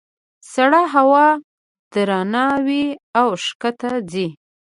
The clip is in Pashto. سړه هوا درنه وي او ښکته ځي.